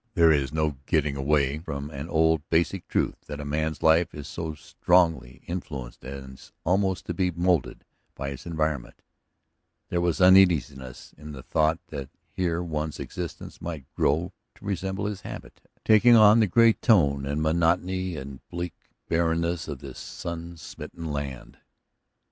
There is no getting away from an old basic truth that a man's life is so strongly influenced as almost to be moulded by his environment; there was uneasiness in the thought that here one's existence might grow to resemble his habitat, taking on the gray tone and monotony and bleak barrenness of this sun smitten land.